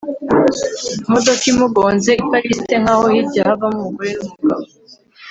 imodoka imugonze iparitse nkaho hirya havamo umugore numugabo